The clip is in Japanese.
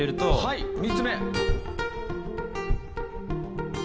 はい３つ目。